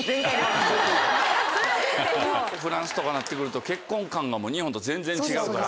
フランスとかになって来ると結婚観が日本と全然違うから。